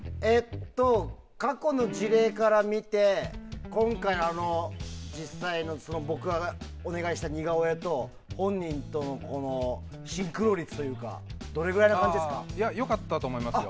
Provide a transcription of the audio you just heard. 過去の事例から見て今回、僕がお願いした似顔絵と本人とのシンクロ率というか良かったと思いますよ。